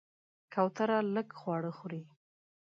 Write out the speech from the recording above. کوتره لږ خواړه خوري.